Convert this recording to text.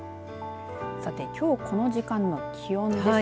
さてきょうこの時間の気温です。